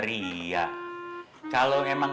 riak kalau emang